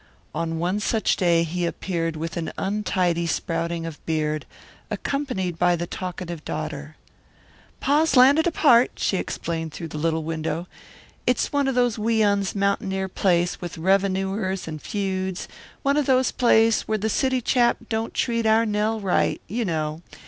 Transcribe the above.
On one such day he appeared with an untidy sprouting of beard, accompanied by the talkative daughter. "Pa's landed a part," she explained through the little window. "It's one of those we uns mountaineer plays with revenooers and feuds; one of those plays where the city chap don't treat our Nell right you know.